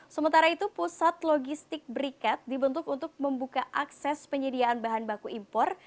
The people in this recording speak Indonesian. sementara itu pusat logistik berikat dibentuk untuk membuka akses penyediaan bahan baku impor